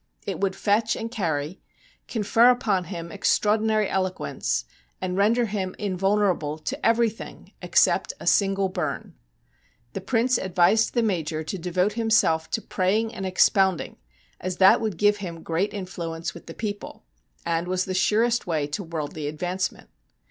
It would fetch and carry, confer upon him extraordinary elo quence, and render him invulnerable to everything except a single bum. The Prince advised the Major to devote himself to 'praying and expounding,' as that would give him great influence with the people, and was the surest way to worldly advancement.